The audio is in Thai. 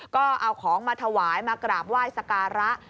ก็เอาของมาถวายมากราบไหว้สการะ